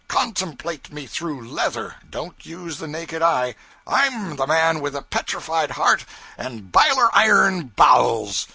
Contemplate me through leather don't use the naked eye! I'm the man with a petrified heart and biler iron bowels!